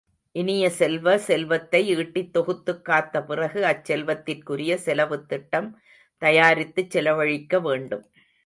இனிய செல்வ, செல்வத்தை ஈட்டித் தொகுத்துக் காத்த பிறகு அச் செல்வத்திற்குரிய செலவுத் திட்டம் தயாரித்துச் செலவழிக்க வேண்டும்.